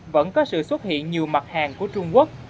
vẫn có sự xuất hiện nhiều mặt hàng của trung quốc